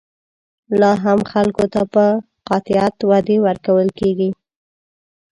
لا هم خلکو ته په قاطعیت وعدې ورکول کېږي.